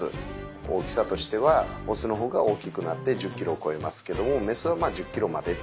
大きさとしてはオスの方が大きくなって１０ｋｇを超えますけどもメスは１０ｋｇまでっていう。